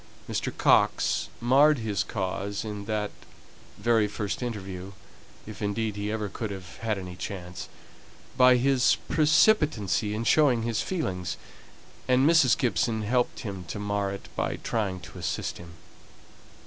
Mr. Coxe marred his cause in that very first interview, if indeed he ever could have had any chance, by his precipitancy in showing his feelings, and Mrs. Gibson helped him to mar it by trying to assist him.